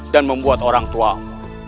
dan membuat orang tuamu